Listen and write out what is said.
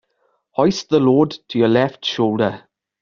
Hoist the load to your left shoulder.